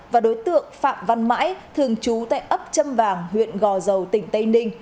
và đối tượng phạm văn mãi thường trú tại ấp châm vàng huyện gò dầu tỉnh tây ninh